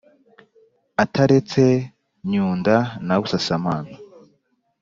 Ataretse Nyunda na Busasamana